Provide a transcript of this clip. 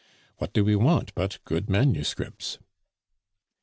What do we want but good manuscripts?"